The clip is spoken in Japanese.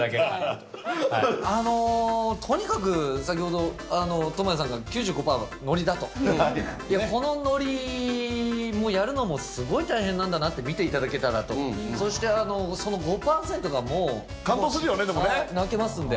とにかく、先ほど倫也さんが、９５％はノリだと、このノリもやるのもすごい大変なんだなって見ていただけたらとそ感動するよね。